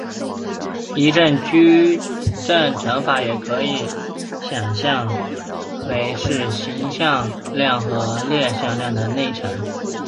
一般矩阵乘积也可以想为是行向量和列向量的内积。